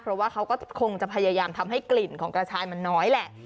เพราะว่าเขาก็คงจะพยายามทำให้กลิ่นของกระชายมันน้อยแหละ